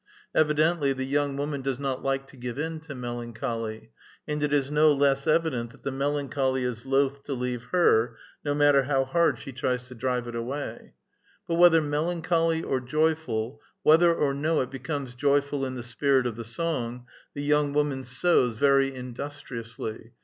Evidently the young woman does not like to give in to melancholy', and it is no less evident that the melancholy is loath to leave her, no matter how hard she tries to drive it awa}*. But whether melancholy or Joyful, whether or no it becomes joyful in the spirit of the song, the 3'oung woman sews very industriously.